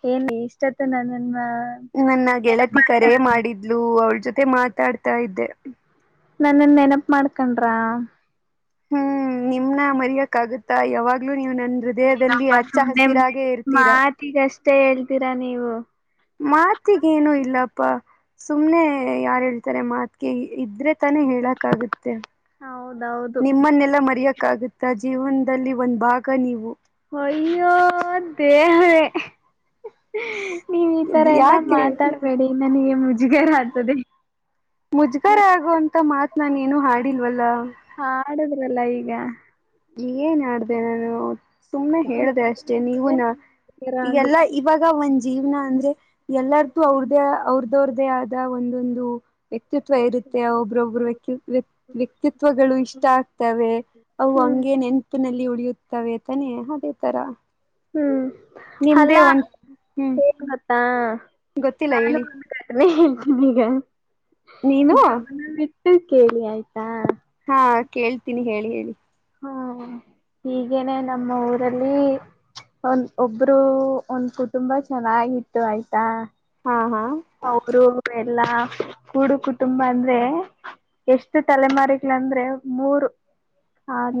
ಹೇಳಿ ನನ್ನ ನೆನಪ್ ಗೆಳತಿ ಕರೆೇ ಮಾಡ್ಕೊಂಡ ಮಾಡಿದ್ಲು ಅವ್ರ ಜೊತೆ ಮತ್ತೆ ಮಾತಾಡ್ತಾ ಇದ್ದೆ ನನ್ನನ್ ನೆನಪ ಮಾಡ್ಕೊಂಡ್ರ ಹ್ಮ್ ನಿಮನ ಮರಿಯಕ್ ಆಗುತ್ತಾ ಯಾವಾಗ್ಲೂ ನೀವು ನನ್ ಹೃದಯದಲ್ಲಿ ಏನಪ್ಪ ಹಚ್ಚ ಸುಮ್ಮನೆ ಹಸಿರಾಗೆ ಇರ್ತೀರಾ ಮಾತಿಗಷ್ಟೇ ಹೇಳ್ತೀರಾ ನೀವು ಮಾತಿಗೇನು ಇಲ್ಲಪ್ಪಾ ಸುಮ್ನೆ ಯಾರ್ ಹೇಳ್ತಾರೆ ಮಾತಿಗೆ ಇದ್ರೆ ತಾನೆ ಹೇಳಕ್ಗುತ್ತೆ ಹೌದೌದು ನಿಮ್ಮನ್ನೆಲ್ಲಾ ಮರೆಯಕ್ ಕಾಗುತ್ತಾ ಜೀವನದಲ್ಲಿ ಒಂದ್ ಭಾಗ ನೀವು ಅಯ್ಯೋ ದೇವರೇ ನೀವ್ ಈ ತರ ಎಲ್ಲಾ ಯಾಕೆ ಮಾತಾಡ್ಬೇಡಿ ನನಗೆ ಮುಜುಗಾರ ಆಗ್ತದೆ ಮುಜ್ಗರ ಆಗುವಂತ ಮಾತ್ ನಾನ ಏನು ಹಾಡಿಲ್ವಲ್ಲಾ ಹಾ ಆಡುದ್ರಲ್ಲ ಈಗ ಏನ್ ನಾನು ಸುಮ್ನೆ ಹೇಳ್ದೆ ಅಷ್ಟೆ ನೀವು ನ ಈಲ್ಲಾ ಆಗುತ್ತೆ ಇವಾಗ ಒಂದ ಜೀವನ ಅಂದ್ರೆ ಎಲ್ಲಾರಿಗೂ ಅವ್ರ್ದೇ ಅವ್ರ್ದವ್ರ್ದೇ ಆದ ಒಂದೊಂದು ವ್ಯಕ್ತಿತ್ವ ಇರುತ್ತೆ ಒಬ್ರೊಬ್ಬರು ವ್ಯಕ್ತ್ ವ್ಯಕ್ತಿತ್ವಗಳು ಇಷ್ಟ ಆಗ್ತವೆ ಅವು ಹ್ಮ್ ಹಾಗಗೆ ನೆನ್ಪಿನಲ್ಲಿ ಉಳಿಯುತ್ತವೆ ತಾನೆ ಅದೇ ತರ ಹ್ಮ್ ನಿಮ್ದೇ ಅಲ್ಲ ಒಂದ ಹ್ಮ್ ಹೇ ಮತ್ತಾ ಗೊತ್ತಿಲ್ಲ ನಾನು ಹೇಳಿ ಮಲ್ಕೊತೀನಿ ಈಗ ನೀನು ಬಿಟ್ಟು ಕೇಳಿ ಆಯ್ತಾ ಹಾ ಕೇಳ್ತೀನಿ ಹೇಳಿ ಹೇಳಿ ಹ್ಮ ಹೀಗೇನೆ ನಮ್ಮ ಊರಲ್ಲಿ ಒಂದ ಒಬ್ರು ಒಂದ ಕುಟುಂಬ ಚೆನ್ನಾಗಿತ್ತು ಆಯ್ತಾ ಹಾ ಹಾ ಅವರು ಎಲ್ಲಾ ಹೂಡು ಕುಟುಂಬ ಅಂದ್ರೆ ಎಷ್ಟು ತಲೆಮಾರಿಗಳಂದ್ರೆ ಮೂರು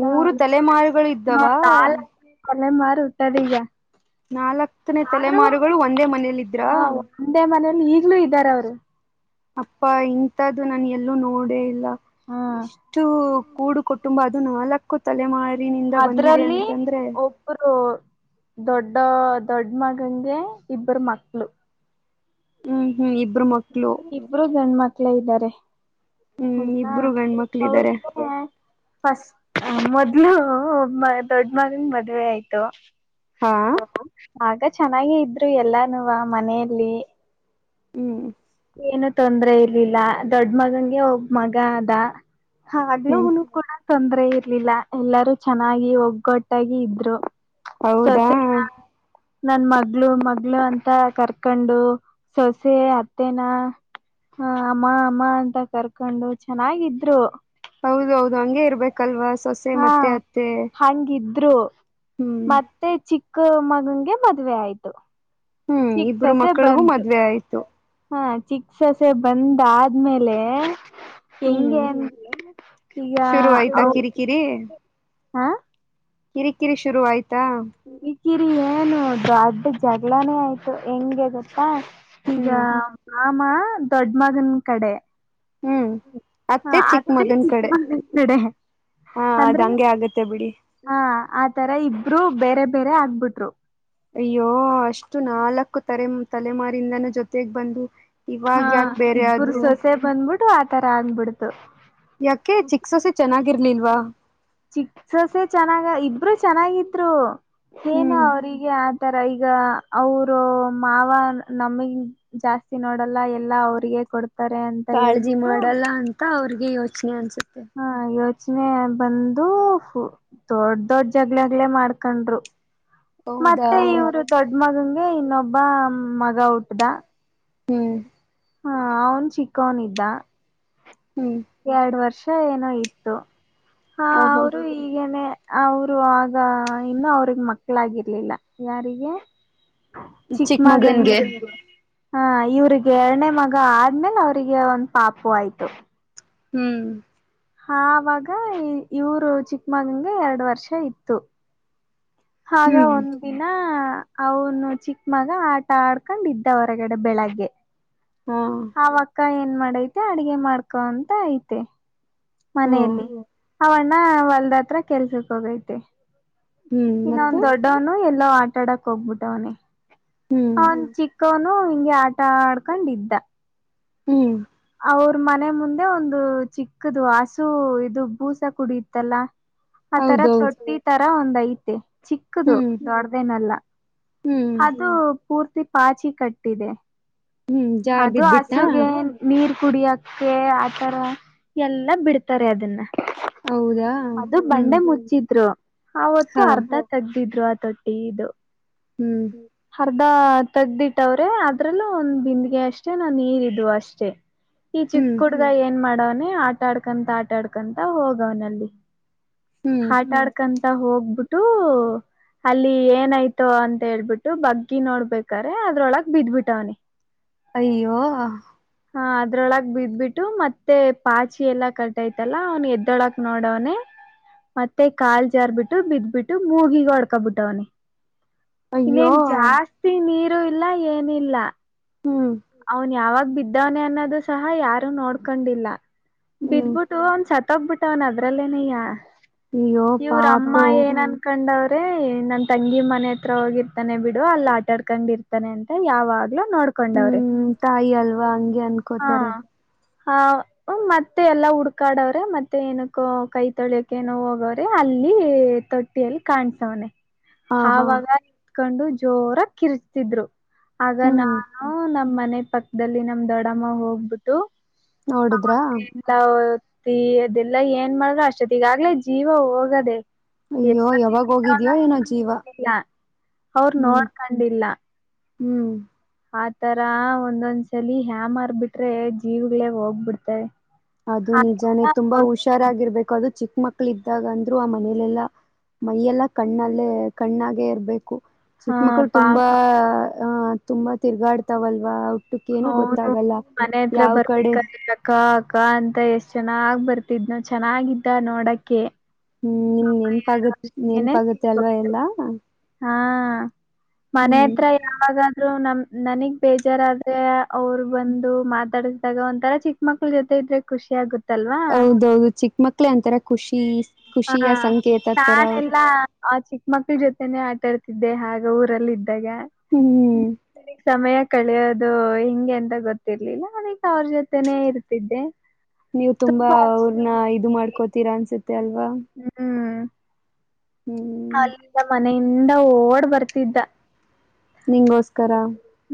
ಮೂರು ತಲೆಮಾರುಗಳು ಇದ್ದಾವ ನಾಲ್ಕು ತಲೆಮಾರಿ ಹುಟ್ಟಿದ ಈಗ ನಲ್ಲತ್ನೆ ಆದ್ರೂ ತಲೆಮಾರುಗಳು ಒಂದೇ ಮನೇಲ್ಲ ಇದ್ರಾ ಹ ಒಂದೇ ಮನೇಲಿ ಈಗ್ಲೂ ಇದ್ದಾರೆ ಅವರು. ಅಪ್ಪಾ ಇಂತದ್ದು ನನ್ ಎಲ್ಲೂ ನೋಡಲೇ ಇಲ್ಲ ಹ್ಮ ಇಷ್ಟು ಕೂಡು ಕುಟುಂಬ ಅದು ನಾಲ್ಕ್ಕು ತಲೆಮಾರಿನಿಂದ ಬಂದಿದೆ ಅಂತಂದ್ರೆ. ಇಬ್ರು ದೊಡ್ಡ ದೊಡ್ಡ ಮಗಂಗೆ ಇಬ್ಬರು ಮಕ್ಳು. ಹ್ಮ್ ಹ್ಮ್ ಇಬ್ಬರು ಮಕ್ಕಳು. ಮಕ್ಕಳೇ ಇದ್ದರೆ ಹೌದ ಇಬ್ರು ಗಂಡ್ಮಕ್ಳ ಇದಾರೆ ಅವರಿಗುವೆ ಫಸ್ಟ್ ಮೊದ್ಲು ದೊಡ್ಡ ಮಗನ ಮದ್ವೆ ಆಯ್ತು ಹಾ ಆಗ ಚೆನ್ನಾಗೆ ಇದ್ರು ಎಲ್ಲಾನೂವ ಮನೆಯಲ್ಲಿ ಹ್ಮ್ ಏನು ತೊಂದ್ರೆ ಇರ್ಲಿಲ್ಲ ದೊಡ್ಡ ಮಗಂಗೆ ಒಬ್ಬ ಮಗ ಆದ ಹ್ಮ್ ಹಗ್್ಲೂನು ಕೂಡ ತೊಂದ್ರೆ ಇರ್ಲಿಲ್ಲ ಎಲ್ಲಾರೂ ಚೆನ್ನಾಗಿ ಒಗ್ಗೊಟ್ಟಾಗಿ ಇದ್ರು ಹೌದಾ ಸೊಸೆನ ನನ್ ಮಗ್ಗಳು ಮಗ್ಗಳು ಅಂತ ಕರ್ಕೊಂಡು ಸೊಸೆ ಅತ್ತ ಮತ್ತೇನಾ ಹ ಅಮ್ಮ ಅಮ್ಮ ಅಂತ ಕರ್ಕೊಂಡು ಚೆನ್ನಾಗಿದ್ರು ಹೌದೌದು ಹಂಗೆ ಇರ್ಬೇಕಲ್ವಾ ಸೊಸೆ ಹಾ ಮತ್ತೆ ಅತ್ತೆ ಹಂಗಿದ್ರು ಹ್ಮ್ ಮತ್ತೆ ಚಿಕ್ ಚಿಕ್ಕ ಮಗನ್ಗೆ ಮದ್ವೆ ಆಯ್ತು ಹ್ಮ್ ಇಬ್ರು ಚಿಕ್ಸೋಸೇ ಮಕ್ಕಳಿಗೂ ಬಂತು ಮದ್ವೆ ಆಯ್ತು ಹಾ ಚಿಕ್ ಸೊಸೆ ಬಂದ ಆದ್ಮೇಲೆ ಹೆಂಗೆ ಹ್ಮ್ ಅಂತೀಯ ಶುರು ಆಯ್ತಾ ಅವ ಕಿರಿಕಿರಿ [inaudible] ಹಾ ಕಿರಿಕಿರಿ ಶುರು ಆಯ್ತಾ ಕಿರಿ ಏನು ದೊಡ್ಡ ಜಗಳಾನೇ ಆಯ್ತು ಹೆಂಗೆ ಗೊತ್ತಾ ಈಗ ಹ್ಮ್ ಮಾಮ ದೊಡ್ಡ ಮಗನ್ ಕಡೆ ಹ್ಮ್ ಚಿಕ್ಕ ಅತ್ತೆ ಮಗನ್ ಕಡೆ ಚಿಕ್ಕಮಗನ್ ಕಡೆ ಹಾ ಅದ್ ಹಂಗೆ ಆಗತ್ತೆ ಬಿಡಿ ಹಾ ಆತರ ಇಬ್ರು ಬೇರೆ ಬೇರೆ ಆಗ್ಬಿಟ್ರು ಅಯ್ಯೋ ಅಷ್ಟು ನಾಲ್ಕು ತಲೆ ತಲೆಮಾರಿಂದನ ಜೊತೆಗ್ ಬಂದು ಇವಾಗ ಹಾ ಯಾಕೆ ಬೇರೆ ಇಬ್ಬರು ಆದ್ರು ಸೊಸೆ ಬಂದುಬಿಟ್ಟು ಆತರ ಆಗ್ಬಿಡ್ತು ಯಾಕೆ ಚಿಕ್ಸೋಸ್ ಚೆನ್ನಾಗಿರ್ಲಿಲ್ವಾ ಚಿಕ್ಸಸೆ ಚೆನ್ನಾಗ ಇಬ್ರುೂ ಚೆನ್ನಾಗಿದ್ರು ಏನು ಹ್ಮ್ ಅವಿಗೆ ಆ ತರ ಈಗ ಈಗ ಅವರು ಮಾವ ನಮಗ್ ಜಾಸ್ತಿ ನೋಡಲ್ಲ ಎಲ್ಲಾ ಅವ್ರಿಗೆ ಕೊಡ್ ಕಾಳಜಿ ಮಾಡಲ್ಲ ಅಂತ ಅವ್ರಿಗೆ ಯೋಚನೆ ಅನ್ಸುತ್ತೆ ಹಾ ಯೋಚನೆ ಯೋಚನೆ ಬಂದು ದೊಡ್ಡ ದೊಡ್ಡ ಜಗಳಗಳೇ ಮಾಡ್ಕೊಂಡ್ರು ಹೌದಾ ಮತ್ತೆ ಇವರು ದೊಡ ಮಗಂಗೆ ಇನ್ನೊಬ್ಬ ಮಗ ಹುಟ್ಟದ ಹ್ಮ್ ಹಾ ಅವನ್ ಚಿಕ್ಕವನ ಇದ್ದ ಹ್ಮ್ ಎರಡು ವರ್ಷ ಏನೋ ಇತ್ತು ಹ ಆಹೋ ಅವರು ಈಗನೆೇ ಅವರು ಆಗ ಇನ್ನ ಅವ್ರಗೆ ಮಕ್ಳಾಗಿರ್ಲಿಲ್ಲ ಯಾರಿಗೆ ಚಿಕ್ಕ ಮಗನಿಗೆ ಹಾ ಇವ್ರಿಗೆ ಎರನೇ ಮಗ ಆದ್ಮೇಲೆ ಅವ್ರಿಗೆ ಒಂದ್ ಪಾಪು ಆಯ್ತು ಹ್ಮ್ ಹ ಆವಾಗ ಇವರು ಚಿಕ್ಕಮಗನ್ಗೆ ಎರಡು ವರ್ಷ ಇತ್ತು ಹಾಗ ಹ್ಮ್ ಒಂದ್ ದಿನ ಅವನು ಚಿಕ್ಕ ಮಗ ಆಟ ಆಡ್ಕೊಂಡಿದ್ದ ಇದ್ದ ಹೊರಗಡೆ ಬೆಳಗ್ಗೆ ಹಾ ಅವ ಅಕ್ಕಾ ಏನ್ ಮಾಡೈತೆ ಅಡಗೆ ಮಾಡ್ಕೊಂಡ ಐತೆ ಹ್ಮ್ ಮನೆಯಲ್ಲಿ ಅವ್ ಅಣ್ಣ ಹೊಲ್ದತ್ರ ಕೆಲ್ಸಕ್ ಹೋಗೈತೆ ಹ್ಮ್ ಇನ್ನ ಒಂದ ಮತ್ತೆ ದೊಡ್ಡವ್ನು ಎಲ್ಲ ಆಟಾಡಕ್ ಹೋಗ್ಬಿಟ್ಟವನೇ ಹ್ಮ್ ಅವಂದ ಚಿಕ್ಕವ್ನು ಹಿಂಗೆ ಆಟ ಆಡ್ಕೊಂಡಿದ್ದ ಹ್ಮ್ ಅವ್ರ ಮನೆ ಮುಂದೆ ಒಂದು ಚಿಕ್ಕದು ಹಸು ಇದು ಬೂಸ ಕುಡಿಯತ್ತಲ್ಲ ಆ ತರ ಹೌದೌದು ತೊಟ್ಟಿ ತರ ಒಂದ್ ಐತೆ ಚಿಕ್ಕದು ಹ್ಮ್ ದೊಡ್ಡದೇನೆಲ್ಲ ಹ್ಮ್ ಅದು ಪೂರ್ತಿ ಪಾಚಿ ಕಟ್ಟಿದೆ ಹ್ಮ್ ಜಾರ್ ಅದು ಬಿದ್ಬಿಟ್ಟ ಹಸುಗೆನ್ ನೀರ್ ಕುಡಿಯಕ್ಕೆ ಆತರ ಎಲ್ಲಾ ಬಿಡ್ತಾರೆ ಅದನ್ನ ಹೌದಾ ಅದು ಹ್ಮ್ ಬಂಡೆ ಮುಚ್ಚಿದ್ರು ಅವತ್ತು ಹಾ ಅರ್ಧ ತೆಗ್ದಿದ್ರು ಆ ತೊಟ್ಟಿ ಇದು ಹ್ಮ್ ಅರ್ಧ ತೆಗ್ದಿಟ್ಟವ್ರೆ ಅದ್ರಲ್ಲೂ ಒಂದ್ ಬಿಂದಿಗೆ ಅಷ್ಟೇ ನಾ ನೀರ ಇದ್ವು ಅಷ್ಟೇ ಈ ಹ್ಮ್ ಚಿಕ್ಕ ಹುಡ್ಗ ಏನ್ ಮಾಡವ್ನ ಆಟಾಡ್ಕಂತ ಆಟಾಡ್ಕಂತ ಹೋಗವ್ನಲ್ಲಿ ಹ್ಮ್ ಆಟಾಡ್ಕಂತ ಹೋಗ್ಬಿಟ್ಟು ಅಲ್ಲಿ ಏನಾಯ್ತೋ ಅಂತ ಹೇಳ್ಬಿಟ್ಟು ಬಗ್ಗಿ ನೋಡ್ಬೇಕ್ರ ಅದ್ರೊಳಗ್ ಬಿದ್ಬಿಟ್ಟವನಿ ಅಯ್ಯೋ ಹಾ ಅದ್ರೊಳಗೆ ಬಿದ್ಬಿಟ್ಟು ಮತ್ತೆ ಪಾಚಿ ಎಲ್ಲಾ ಕಟ್ತಲ್ಲ ಅವ್ನ್ ಎದ್ರೊಳಕ್ ನೋಡವನೇ ಮತ್ತೆ ಕಾಲ್ ಜಾರ್ ಬಿಟ್ಟು ಬಿದ್ಬಿಟ್ಟು ಮೂಗಿಗ ಹೊಡ್ಕಬಿಟ್ಟವನಿ ಅಯ್ಯೋ ಇನ್ನೇನ್ ಜಾಸ್ತಿ ನೀರು ಇಲ್ಲ ಏನ ಇಲ್ಲ ಹ್ಮ್ ಅವನ್ ಯಾವಾಗ ಬಿದ್ದವನೆೆ ಅನ್ನೋದು ಸಹ ಯಾರು ನೋಡ್ಕೊಂಡಿಲ್ಲ ಹ್ಮ್ ಬಿದ್ಬಿಟ್ಟು ಅವನ್ ಸತ್ತೋಗ್ಬಿಟ್ಟ ಅವನ್ ಅದ್ರಲ್ಲೇನಯ್ಯ ಅಯ್ಯೋ ಇವ್ರ ಅಮ್ಮ ಪಾಪು ಏನ್ ಅನ್ಕೊಂಡವರು ಮತ್ತೆ ನನ್ ತಂಗಿ ಮನೆ ಹತ್ರ ಹೋಗಿರ್ತಾನೆ ಬಿಡು ಅಲ್ಲಿ ಆಟಾಡ್ಕೊಂಡ್ ಇರ್ತಾನೆ ಅಂತ ಯಾವಾಗ್ಲೂ ನೋಡ್ಕೊಂಡವ್ರೆ ಹ್ಮ್ ತಾಯಿ ಅಲ್ವಾ ಹಂಗೆ ಹಾ ಅನ್ಕೋತಾರೆ ಹಾ ಮತ್ತೆ ಎಲ್ಲ ಹುಡ್ಕಾಡವ್ರೆ ಮತ್ತೆ ಏನಕ್ಕ ಕೈ ತೊಳಿಯಕೇಏನೋ ಹೋಗೋ್ರೆ ಅಲ್ಲಿ ತೊಟ್ಟಿಯಲ್ಲಿ ಕಾಣ್ಸವನನೆ ಹಾ ಹಾ ಆವಾಗ ಇತ್ಕೊಂಡು ಜೋರ ಕಿರ್ಚ್ತಿದ್ರು ಆಗ ಹ್ಮ್ ನಾನು ನಮ್ಮ ಮನೆ ಪಕ್ಕದಲ್ಲಿ ನಮ್ ದೊಡಮ್ಮ ಹೋಗ್ಬಿಟ್ಟು ನೋಡುದ್ರಾ ಎ ಅದೆಲ್ಲಾ ಏನ್ ಮಾಡ್ರರು ಅಷ್ಟತ್ತ ಈಗಾಗ್ಲೇ ಜೀವ ಹೋಗೋದೆೇ ಅಯ್ಯೋ ಯಾವಾಗ ಹೋಗಿದ್ಯೋ ಏನೋ ಜೀವ ಅವರು ಹ್ಮ್ ನೋಡ್ಕೊಂಡಿಲ್ಲ ಹ್ಮ್ ಆತರ ಒಂದೊಂದ್ಸಲಿ ಹ್ಯಾ ಮಾರ್ಬಿಟ್ರೆ ಜೀವಗಳೇ ಹೋಗ್ಬಿಡ್ತವೆ ಅದು ನಿಜಾನೇ ತುಂಬಾ ಹುಷಾರಾಗಿರ್ಬೇಕ ದು ಚಿಕ್ಕ ಮಕ್ಳ ಇದ್ದಾಗ ಅಂದ್ರು ಆ ಮನೇಲೆಲ್ಲ ಮೈಯೆಲ್ಲಾ ಕಣ್ಣಲ್ಲೇ ಕಣ್ಣಾಗೆ ಇರ್ಬೇಕ ಚಿಕ್ಕ ಹಾ ಮಕ್ಳು ತುಂಬಾ ಪಾಪ ಅ ತುಂಬಾ ತಿರ್ಗಾಡ್ತಾವಲ್ವಾ ಹುಟ್ಟುಕ್ಕ ಏನು ಹೌನು ಗೊತ್ತಾಗಲ್ಲ ಮನೆ ಹತ್ರ ಯಾವ ಕಡೆ ಬರ್ಬೇಕಾಗಿಲಕ್ಕ ಅಕ್ಕ ಅಂತ ಎಷ್ಟ್ ಚೆನ್ನಾಗ್ ಬರ್ತಿದ್ನ ಚೆನ್ನಾಗಿದ್ದ ನೋಡಕೆ ಹ್ಮ್ ನಿಮ್ ನೆನ್ಪಾಗತ್ ನೆನ್ಪ ಆಗತ್ತ ಅಲ್ವಾ ಎಲ್ಲಾ ಹಾ ಮನೆ ಹ್ಮ್ ಹತ್ರ ಯಾವಾಗಾದ್ರೂ ನಮ ನನಗ್ ಬೇಜಾರಾದ್ರೆ ಅವರು ಬಂದು ಮಾತಾಡಿದಾಗ ಒಂಂತರ ಚಿಕ್ಕ ಮಕ್ಳ ಜೊತೆ ಇದ್ರೆ ಖುಷಿ ಆಗುತ್ ಹೌದೌದು ಚಿಕ್ಕ ಮಕ್ಳೇ ಒಂತರ ಖುಷಿ ಹಾ ಖುಷಿಯ ಸಂಕೇತ ತರ ತಾನ ಅವರು ಎಲ್ಲಾ ಆ ಚಿಕ್ಕ ಮಕ್ಳ ಜೊತೆ ಆಟಾಡ್ತಿದ್ದೆ ಆ ಊರಲ್ಲಿ ಇದ್ದಾಗ ಹ್ಮ್ ಸಮಯ ಕಳಿಯೋದು ಹಿಂಗೆ ಎಂತ ಗೊತ್ತಿರ್ಲಿಲ್ಲ ಅದಕ್ಕೆ ಅವ್ರ ಜೊತೆನೇ ಇರ್ತಿದ್ದೆ ನೀವು ತುಂಬಾ ಅವರ್ನ ಇದು ಮಾಡ್ಕೋತೀರಾ ಅನ್ಸುತ್ತೆ ಅಲ್ವಾ ಹ್ಮ್ ಹ್ಮ್ ಅಲ್ಲಿಂದ ಮನೆಯಿಂದ ಓಡ್ ಬರ್ತಿದ್ದ ನಿಗೋಸ್ಕರ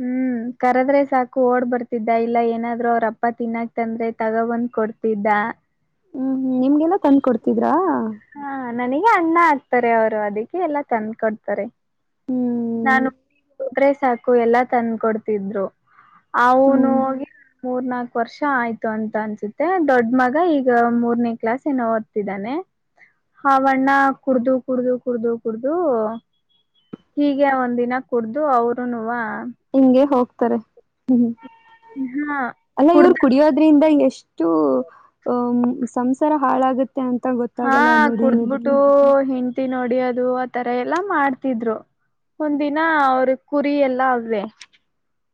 ಹ್ಮ್ ಕರದ್ರೆ ಸಾಕು ಓಡ್ ಬರ್ತಿದ್ದ ಇಲ್ಲ ಏನಾದ್ರು ಅವ್ರ ಅಪ್ಪ ತಿನ್ನಾಕ್ ಅಂದ್ರೆ ತಗ ಬಂದ್ ಕೊಡ್ತ ಬಿದ್ದಾ ಹ್ಮ್ ನಿಮ್ಗೆನೊ ತಂದ್ ಕೊಡ್ತಿದ್ರಾ ಹಾ ನನಗೆ ಅಣ್ಣ ಆಗ್ತಾರೆ ಅವರು ಅದಕ್ಕೆ ಎಲ್ಲ ತಂದ್ ಕೊಡ್ತಾರೆ ಹ್ಮ್ ನಾನು ತೊಗ್ರೆೆ ಸಾಕು ಎಲ್ಲಾ ತಂದ ಕೊಡ್ತಿದ್ರು ಅವ್ನು ಹ್ಮ್ ಹೋಗಿ ಮೂರ್ನಾಕು ವರ್ಷ ಆಯ್ತು ಅಂತ ಅನ್ಸುತ್ತೆ ದೊಡ್ ಮಗ ಈಗ ಮೂರ್ನೇ ಕ್ಲಾಸ್ ಏನೋ ಓದ್ತಿದ್ದಾನೆ ಹಾ ವಣ್ಣ ಕುಡ್ದು ಕುಡ್ದು ಕುಡ್ದು ಕುಡ್ದು ಹೀಗೆ ಒಂದ್ ದಿನ ಕುಡ್ದು ಅವರುನುವ ಹಿಂಗೆ ಹೋಗ್ತಾರೆ ಹ್ಮ್ ಹಾ ಅಲ್ಲ ಇವ್ರು ಕುಡ್ದ ಕುಡಿಯೋದ್ರಿಂದ ಎಷ್ ಟು ಅಂತ ಸಂಸಾರ ಹಾಳಾಗುತ್ ಹಾ ಕುಡ್ದ್ಬಿಟ್ಟು ಹೆಂ ನೊಡಿಯದು ಆತರ ಎಲ್ಲಾ ಮಾಡ್ತಿದ್ರು ಒಂದಿನ ಅವ್ರ ಕುರಿ ಎಲ್ಲ ಅವ್ವೆ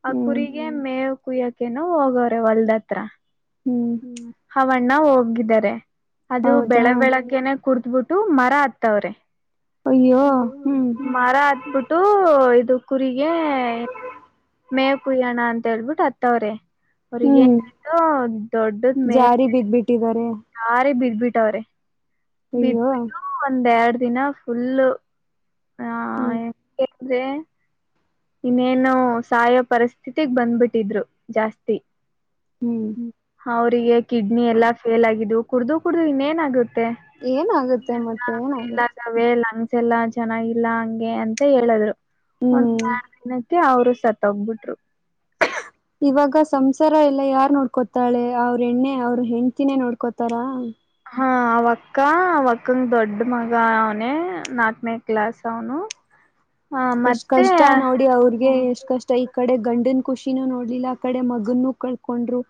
ಆ ಹ್ಮ್ ಕುರಿಗೆ ಮೇವ್ ಕುಯಕ್ ಕೇನೋ ಹೋಗವ್ರೆ ಹೊಲ್ದತ್ರ ಹ್ಮ್ ಹಾವಣ್ಣ ಹೋಗಿದ್ದಾರೆ ಅದು ಹೌದಾ ಬೆಳಗ್ ಬೆಳಗ್ಗೆನೆ ಕುಡ್ದ್ಬಿಟ್ಟು ಮರ ಅತ್ತವ್ರೆ ಅಯ್ಯೋ ಹ್ಮ್ ಮರ ಹತ್ಬಿಟ್ಟು ಇದು ಕುರಿಗೆ ಮೇವ್ ಕುಯ್ಯೋಣ ಅಂತ ಹೇಳ್ಬಿಟ್ಟು ಅತ್ತವ್ರೇ ಹ್ಮ್ ಅವ್ರಗೇನ್ ಆಯ್ತೋ ದೊಡ್ಡದ್ ಮೇಲೆ ಟ್ಟಿದ್ದಾರೆ ಬಿಟ್ಟವ್ರೆ ಬಿಟ್ಬಿಟ್ಟು ಒಂದ್ ಎರಡು ದಿನ ಫುಲ್ ಹ್ಮ್ ಅಂದ್ರೆ ಇನ್ನೇನು ಸಾಯೋ ಪರಿಸ್ಥಿತಿಗ್ ಬಂದ್ಬಿಟ್ಟಿದ್ರು ಜಾಸ್ತಿ ಹ್ಮ್ ಅವ್ರಿಗೆ ಕಿಡ್ನಿ ಎಲ್ಲಾ ಫೇಲ್ ಆಗಿದ್ದು ಕುಡ್ದು ಕುಡ್ದು ಇನ್ನೇನಾಗು ತ್ತೆ ಏನಾಗುತ್ತೆ ಮತ್ತೆ ಏನಾಗುತ್ತೆ ಲಂಗ್ಸ ಎಲ್ಲ ಚೆನ್ನಾಗಿಲ್ಲ ಹಂಗೆ ಅಂತ ಹೇಳಿದ್ರು ಒಂದ್ ಹ್ಮ್ ಎರಡ್ ದಿನಕ್ಕೆ ಅವರು ಸತ್ತೋಗ್ಬಿಟ್ರು ಇವಾಗ ಸಂಸಾರ ಎಲ್ಲ ಯಾರ್ನೋಡ್ಕೋತಾಳೆ ಅವ್ರ ಎಣ್ಣೆ ಅವ್ರ ಹೆಂಡ್ತಿನೇ ನೋಡ್ಕೋತಾರ ಹ ಆವಕ್ಕ ಆವಕ್ಕಂಗ ದೊಡ್ಡ ಮಗ ಅವ್ನೆ ನಾಕನೇ ಕ್ಲಾಸ್ ಅವನು ಹ ಎಷ್ಟ್ ಕಷ್ಟ ನೋಡಿ ಅವ್ರಗೆ ಎಷ್ಟ್ ಮತ್ತೆ ಕಷ್ಟ ಈ ಕಡೆ ಗಂಡನ ಖುಷಿನೂ ನೋಡ್ ಲಿಲ್ಲ ಆ ಕಡೆ ಮಗನ್ನು ಕಳ್ಕೊಂಡ್ರು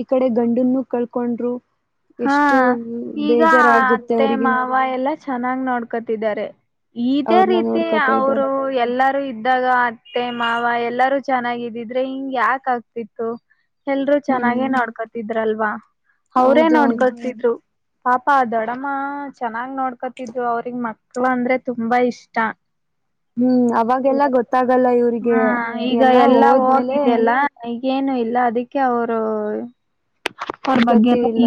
ಈ ಕಡೆ ಗಂಡನ್ನು ಕಳ್ಕೊಂಡ್ರು ಹಾ ಎಷ್ಟು ಈಗ ಬೇಜಾರಾಗುತ್ತೆ ಅತ್ತೆ ಅವ್ರಿಗೆ ಮಾವ ಎಲ್ಲಾ ಚೆನ್ನಾಗ್ ನೋಡ್ಕೊತಿದ್ದಾರೆ ಇದೇ ಅವ್ರನ್ನ ರೀತಿ ನೋಡ್ಕೊತಾ ಇದ್ದಾರೆ ಅವರು ಎಲ್ಲಾರೂ ಇದ್ದಾಗ ಅತ್ತೆ ಮಾವ ಎಲ್ಲಾರೂ ಚೆನ್ನಾಗಿದಿದ್ರೆ ಹಿಂಗ ಯಾಕ ಆಗ್ತಿತ್ತು ಎಲ್ರು ಹ್ಮ್ ಚೆನ್ನಾಗೇ ನೋಡ್ಕೋತಿದ್ರಲ್ವಾ ಅವ್ರೇ ಹೌದು ಹೌದು ನೋಡ್ಕೊತಿದ್ರು ಪಾಪಾ ದೊಡಮ್ಮ ಚ ಚನ್ನಾಗ್ ನೋಡ್ಕೊತಿದ್ರು ಅವ್ರಿಗ್ ಮಕ್ಳು ಅಂದ್ರೆ ತುಂಬಾ ಇಷ್ಟ ಹ್ಮ್ ಅವಾಗೆಲ್ಲ ಗೊತ್ತಾಗಲ್ಲ ಇವ್ರಿಗೆ ಹಾ ಈಗ ಎಲ್ಲಾ ಹೋಗಿದೆಲ್ಲ ಏನು ಇಲ್ಲ ಅದಕ್ಕೆ ಅವ್ರು ಗತಿ ಇಲ್ಲ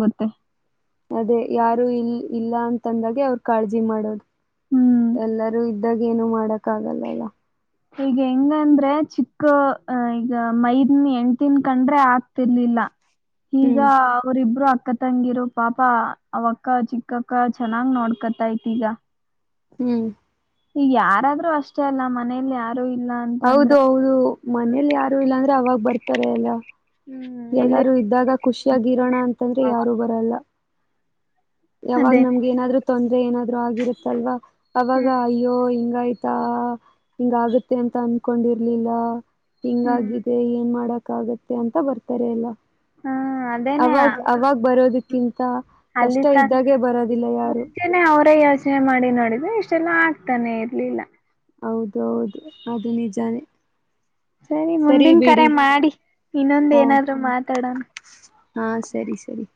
ಮತ್ತೆ ಅದೇ ಯಾರು ಇಲ್ ಇಲ್ಲ ಅಂತಂದಾಗೆ ಅವ್ರ ಕಾಳಜಿ ಮಾಡೋದು ಹ್ಮ್ ಎಲ್ಲರೂ ಇದ್ದಾಗ ಏನು ಮಾಡಕ್ ಆಗಲ್ಲಲ್ಲ ಈಗ ಹೆಂಗ ಅಂದ್ರೆ ಚಿ ಕ್ಕ ಈಗ ಮೈದನ್ ಹೆಂಡ್ತೀನ್ ಕಂಡ್ರೆ ಆಗ್ತಿರ್ಲಿಲ್ಲ ಈಗ ಹ್ಮ್ ಅವರಿಬ್ರು ಅ ಅಕ್ಕ ತಂಗಿರು ಪಾಪ ಆವಕ್ಕ ಚಿಕ್ಕಕ್ಕ ಚೆನ್ನಾಗ್ ನೋಡ್ಕತೈತಿಗ ಹ್ಮ್ ಈಗ ಯಾರಾದ್ರೂ ಅಷ್ಟೇ ಅಲ್ಲ ಮನೇಲಿ ಯಾರು ಇಲ್ಲ ಅಂತ ಹೌದು ಅಂದ್ರೆ ಹೌದು ಮನೇಲಿ ಯಾರು ಇಲ್ಲ ಅಂದ್ರೆ ಅವಾಗ ಬರ್ತಾರೆ ಎಲ್ಲ ಹ್ಮ್ ಎಲ್ಲಿ ಎಲ್ಲಾರೂ ಇದ್ದಾಗ ಖುಷಿಯಾಗಿ ಇರೋಣ ಅಂ ಂತಂದ್ರೆ ಯಾರು ಬರಲ್ಲ ಯಾವಾಗ ಅದೇ ನಮ್ಗೆ ಏನಾದ್ರು ಹ್ಮ್ ತೊಂದ್ರರೆ ಏನಾದ್ರು ಆಗಿರುತ್ತ ಅಲ್ವಾ ಅವಾಗ ಅಯ್ಯೋ ಇ ಹಂಗ ಆಯ್ತಾ ಹಿಂಗ ಆಗತ್ತೆ ಅಂತ ಅನ್ಕೊಂಡಿರ್ಲಿಲ್ಲ ಹ್ಮ್ ಹಿಂಗಾಗಿದೆ ಏನ್ ಮಾಡಕ್ ಆಗತ್ತೆ ಅಂತ ಬರ್ತಾರೆ ಎಲ್ಲ ಹಾ ಅದೇನೇ ಅವಾಗ್ ಅವಾಗ ಬರೋದಕ್ಕಿಂತ ಕಷ್ಟ ಅಲ್ಲಿ ತನ್ ಇದ್ದಾಗೆ ಬರೋದಿಲ್ಲ ಯಾರು ಮುಂಚೆನೆ ಅವರೇ ಯೋಚನೆ ಮಾಡಿ ನೋಡಿದ್ರೆ ಇಷ್ಟೆಲ್ಲ ಆಗ್ತಾನೆ ಇರ್ಲಿಲ್ಲ ಹೌದ ಹೌದು ಅದು ನಿಜಾನೇ ಸರಿ ಮುಂದಿನ ಕರೆ ಮಾಡಿ ಇನ್ನೊಂದ ಹಾ ಏನಾದ್ರು ಮಾತಾಡೋಣ ಹಾ ಸರಿ ಸರಿ